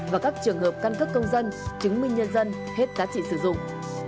và các trường hợp căn cấp công dân chứng minh nhân dân hết giá trị sử dụng